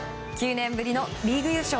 ９年ぶりのリーグ優勝